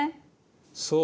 そう。